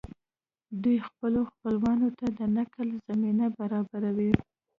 دوی خپلو خپلوانو ته د نقل زمینه برابروي